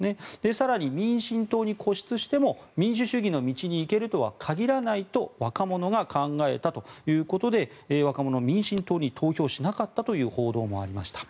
更に、民進党に固執しても民主主義の道に行けるとは限らないと若者が考えたということで若者、民進党に投票しなかったという報道もありました。